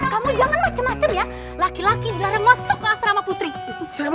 kamu jangan macem macem ya laki laki jangan masuk ke asrama putri saya